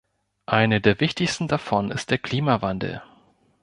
Eine der wichtigsten davon ist der Klimawandel.